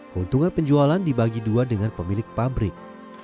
keuntungan penjualan dibagi dua dengan pemilik pabrik